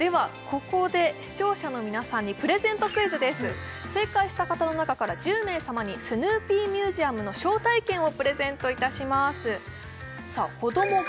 ここで視聴者の皆さんにプレゼントクイズです正解した方の中から１０名様にスヌーピーミュージアムの招待券をプレゼントいたします